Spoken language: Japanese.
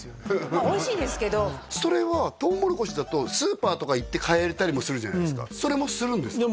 おいしいですけどそれはとうもろこしだとスーパーとか行って買えたりもするじゃないですかそれもするんですか？